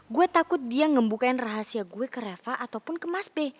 gue takut dia ngembukain rahasia gue ke reva ataupun ke mas b